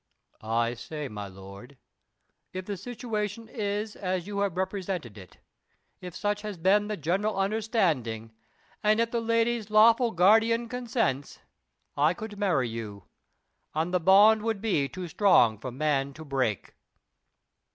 "I say, my lord, if the situation is as you have represented it if such has been the general understanding, and if the lady's lawful guardian consents, I could marry you, and the bond would be too strong for man to break."